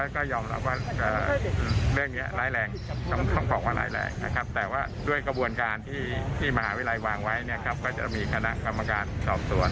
ก็ยอมรับว่าเรื่องนี้ร้ายแรงต้องบอกว่าร้ายแรงนะครับแต่ว่าด้วยกระบวนการที่มหาวิทยาลัยวางไว้ก็จะมีคณะกรรมการสอบสวน